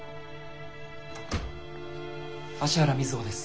芦原瑞穂です。